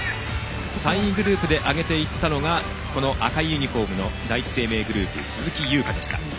３位グループで上げていったのが赤いユニフォームの第一生命グループ鈴木優花でした。